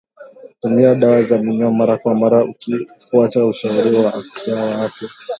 Tumia dawa ya minyoo mara kwa mara ukifuata ushauri wa afisa wa afya